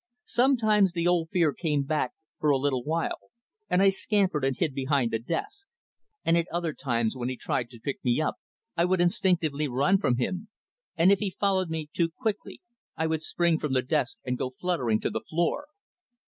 Sometimes the old fear came back for a little while, and I scampered and hid behind the desk; and at other times, when he tried to pick me up, I would instinctively run from him; and if he followed me too quickly, I would spring from the desk and go fluttering to the floor.